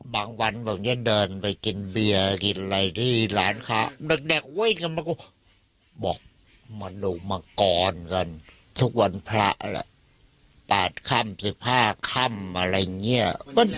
บางวันบางที่เดินไปกินเบียร์กินอะไรที่ร้านค้าดักเว้ยกันว่ากูบอกมาดูมังกรกันทุกวันพระละ๘ค่ำ๑๕ค่ำอะไรเงี้ย